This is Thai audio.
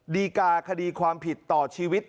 ดีกาคดีความผิดต่อชีวิต